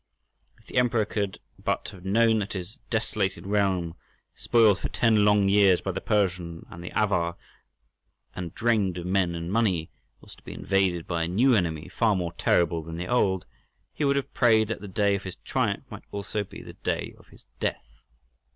If the Emperor could but have known that his desolated realm, spoiled for ten long years by the Persian and the Avar, and drained of men and money, was to be invaded by a new enemy far more terrible than the old, he would have prayed that the day of his triumph might also be the day of his death.